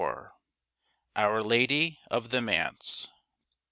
OUR LADY OF THE MANSE.